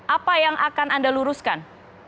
apa yang akan anda luruskan